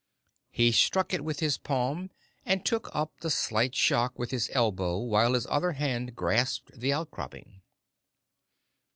He struck it with his palm and took up the slight shock with his elbow while his other hand grasped the outcropping.